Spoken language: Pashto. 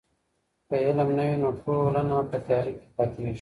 که علم نه وي نو ټولنه په تیاره کي پاتیږي.